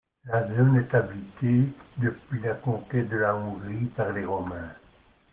La zone est habitée depuis la conquête de la Hongrie par les Romains.